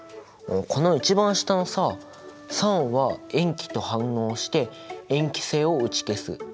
おっこの一番下のさ酸は塩基と反応して塩基性を打ち消す。